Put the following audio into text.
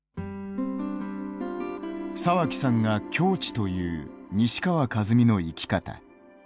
沢木さんが境地という西川一三の生き方。